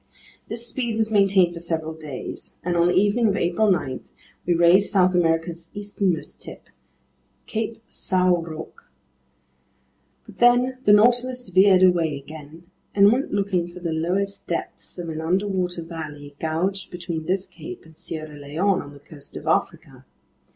This speed was maintained for several days, and on the evening of April 9, we raised South America's easternmost tip, Cape São Roque. But then the Nautilus veered away again and went looking for the lowest depths of an underwater valley gouged between this cape and Sierra Leone on the coast of Africa.